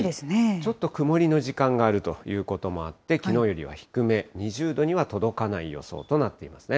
ちょっと曇りの時間があるということもあって、きのうよりは低め、２０度には届かない予想となっていますね。